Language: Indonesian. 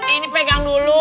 ini pegang dulu